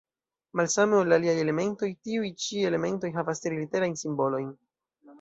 Malsame ol la aliaj elementoj, tiuj ĉi elementoj havas tri-literajn simbolojn.